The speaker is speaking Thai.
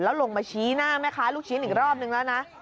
แล้วลงมาชี้หน้าไหมคะลูกชี้อีกรอบหนึ่งแล้วนะ